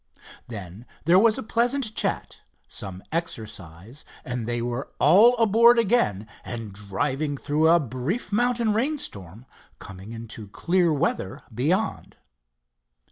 Then there was a pleasant chat, some exercise, and they were all aboard again and driving through a brief mountain rainstorm, coming into clear weather beyond.